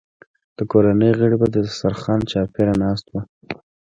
د کورنۍ غړي به د دسترخوان چارچاپېره ناست وو.